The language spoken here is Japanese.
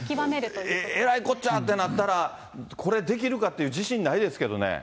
えらいこっちゃってなったら、これできるかっていう自信ないですけどね。